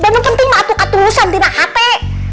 dan yang penting mah aku katulusan tidak hati